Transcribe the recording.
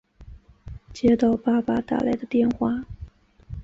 接到爸爸打来的电话